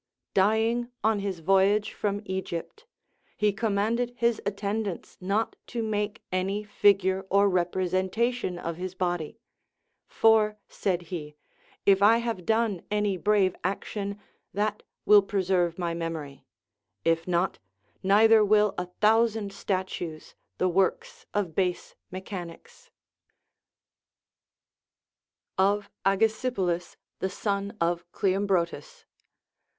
Dying on his voyage from Egypt, he commanded his attendants not to make any figure or representation of his body ; For, said he, if I have done any brave action, that will preserve my memory ; if not, neither will a thousand statues, the works of base mechanics. Of AgesipoUs the Son of Cleombrotus.